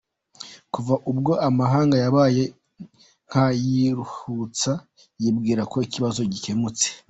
Kuva ubwo amahanga yabaye nk’ayiruhutsa yibwira ko ikibazo gikemutse.